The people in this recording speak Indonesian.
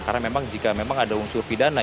karena memang jika memang ada unsur pidana